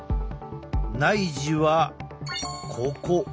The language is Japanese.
内耳はここ。